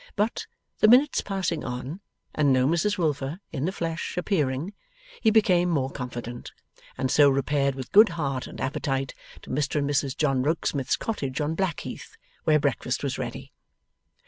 But, the minutes passing on and no Mrs Wilfer in the flesh appearing, he became more confident, and so repaired with good heart and appetite to Mr and Mrs John Rokesmith's cottage on Blackheath, where breakfast was ready.